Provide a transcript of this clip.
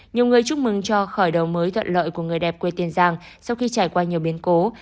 nhiều người chúc mừng cho khởi đầu mới thuận lợi của người đẹp quê tiền giang sau khi trải qua nhiều biến cố